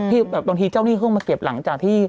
ที่แบบบางทีเจ้านี่เครื่องมาเก็บหลังจากที่